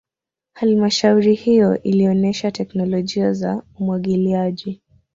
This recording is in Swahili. halmashauri hiyo ilionesha teknolojia za umwagiliaji